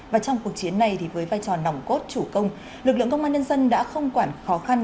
và trong cuộc chiến này thì với vai trò nòng cốt chủ công lực lượng công an nhân dân đã không quản khó khăn